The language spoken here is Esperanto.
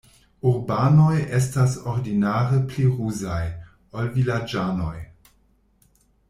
Urbanoj estas ordinare pli ruzaj, ol vilaĝanoj.